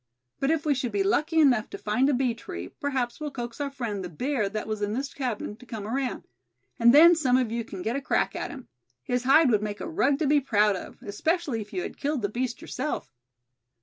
But if we should be lucky enough to find a bee tree, perhaps we'll coax our friend, the bear that was in this cabin, to come around; and then some of you can get a crack at him. His hide would make a rug to be proud of, especially if you had killed the beast yourself."